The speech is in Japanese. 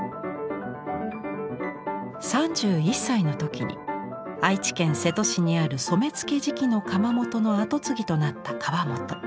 ３１歳の時に愛知県瀬戸市にある染付磁器の窯元の跡継ぎとなった河本。